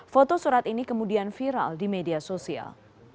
foto surat ini kemudian viral di media sosial